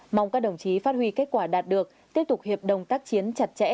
mong các đồng chí phát huy kết quả đạt được tiếp tục hiệp đồng tác chiến chặt chẽ